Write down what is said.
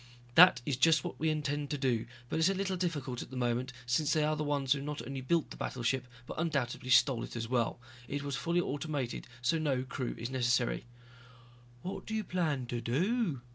"That is just what we intend to do, but it's a little difficult at the moment since they are the ones who not only built the battleship, but undoubtedly stole it as well. It was fully automated so no crew is necessary." "What do you plan to do?"